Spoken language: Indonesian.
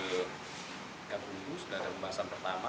dari pembahasan pertama